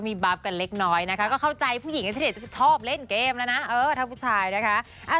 มีบาร์ฟกันเล็กน้อยนะคะก็เข้าใจผู้หญิงกันที่เด็กชอบเล่นเกมแล้วนะเออถ้าผู้ชายนะคะ